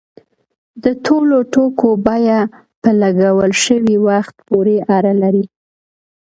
د ټولو توکو بیه په لګول شوي وخت پورې اړه لري.